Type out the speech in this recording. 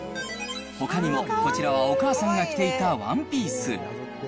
ほかにも、こちらはお母さんが着ていたワンピース。